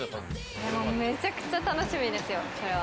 めちゃくちゃ楽しみですよ。